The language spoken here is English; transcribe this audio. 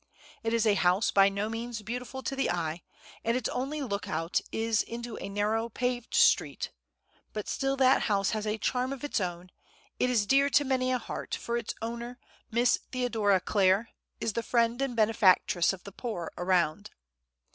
It is a house by no means beautiful to the eye, and its only look out is into a narrow paved street; but still that house has a charm of its own, it is dear to many a heart, for its owner, Miss Theodora Clare, is the friend and benefactress of the poor around.